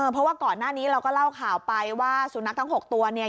เพราะว่าก่อนหน้านี้เราก็เล่าข่าวไปว่าสุนัขทั้ง๖ตัว